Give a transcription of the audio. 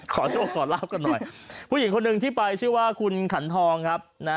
ขอโชคขอลาบกันหน่อยผู้หญิงคนหนึ่งที่ไปชื่อว่าคุณขันทองครับนะ